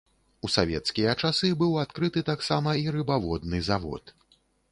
У савецкія часы быў адкрыты таксама і рыбаводны завод.